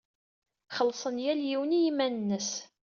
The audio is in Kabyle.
Xellṣen yal yiwen i yiman-nnes.